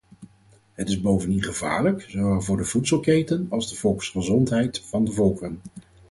Het is bovendien gevaarlijk, zowel voor de voedselketen als de volksgezondheid van de volkeren.